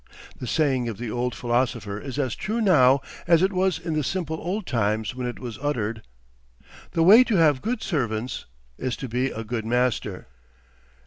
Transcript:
The saying of the old philosopher is as true now as it was in the simple old times when it was uttered: "The way to have good servants is to be a good master."